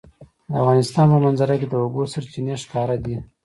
د افغانستان په منظره کې د اوبو سرچینې ښکاره ده.